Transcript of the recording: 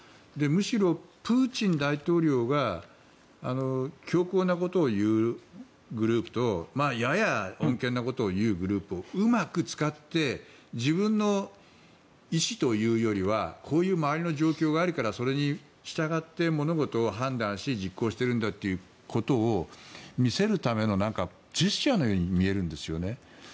むしろ、プーチン大統領が強硬なことを言うグループとやや穏健なことを言うグループをうまく使って自分の意思というよりはこういう周りの状況があるからそれに従って物事を判断して実行しているんだということを見せるための、じっしゃのように見えるんですね。